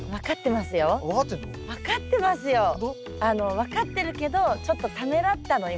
分かってるけどちょっとためらったの今。